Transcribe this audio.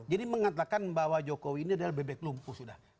jadi mengatakan bahwa jokowi ini adalah bebek lumpuh sudah